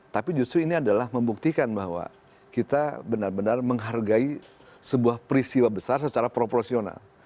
tapi justru ini adalah membuktikan bahwa kita benar benar menghargai sebuah peristiwa besar secara proporsional